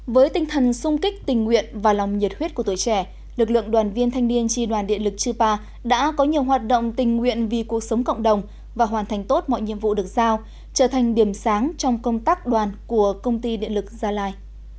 với tinh thần sung kích tình nguyện và lòng nhiệt huyết của tuổi trẻ lực lượng đoàn viên thanh niên tri đoàn điện lực chư pa đã có nhiều hoạt động tình nguyện vì cuộc sống cộng đồng và hoàn thành tốt mọi nhiệm vụ được giao trở thành điểm sáng trong công tác đoàn của công ty điện lực gia lai